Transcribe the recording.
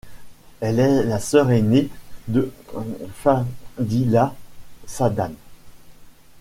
Elle est la sœur aînée de Fadila Saâdane.